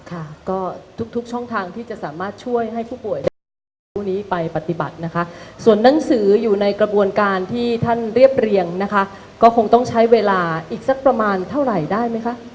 ค่ะก็ทุกทุกช่องทางที่จะสามารถช่วยให้ผู้ป่วยได้นำสิ่งผู้นี้ไปปฏิบัตินะคะส่วนหนังสืออยู่ในกระบวนการที่ท่านเรียบเรียงนะคะก็คงต้องใช้เวลาอีกสักประมาณเท่าไหร่ได้ไหมคะ